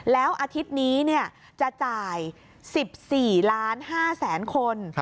แล้วอาทิตย์นี้จะจ่าย๑๔๕๐๐๐๐๐คน